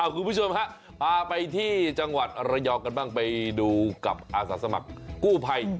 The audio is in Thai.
คุณผู้ชมฮะพาไปที่จังหวัดระยองกันบ้างไปดูกับอาสาสมัครกู้ภัย